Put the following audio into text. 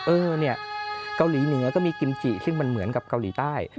เออเนี่ยเกาหลีเหนือก็มีกิมจิซึ่งมันเหมือนกับเกาหลีใต้